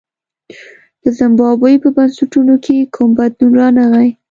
د زیمبابوې په بنسټونو کې کوم بدلون رانغی.